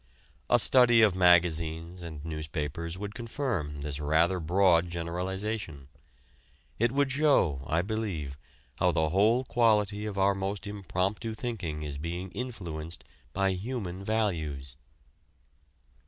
A study of magazines and newspapers would confirm this rather broad generalization. It would show, I believe, how the whole quality of our most impromptu thinking is being influenced by human values.